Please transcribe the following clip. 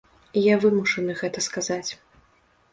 Я вымушаны гэта сказаць.